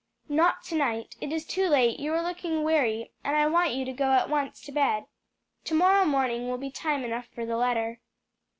"Not to night; it is too late; you are looking weary, and I want you to go at once to bed. To morrow morning will be time enough for the letter."